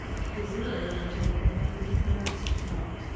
The zero in the telephone number he pronounced "naught."